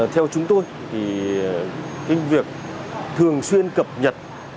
theo chúng tôi thì cái việc thường xuyên cập nhật